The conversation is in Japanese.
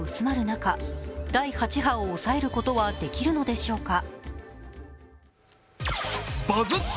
中第８波を抑えることはできるのでしょうか。